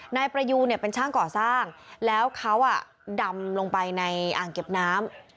นายประยูนเนี่ยเป็นช่างก่อสร้างแล้วเขาดำลงไปในอ่างเก็บน้ำ